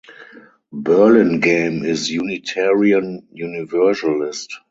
Burlingame is Unitarian Universalist.